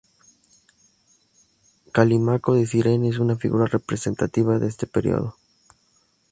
Calímaco de Cirene es una figura representativa de este periodo.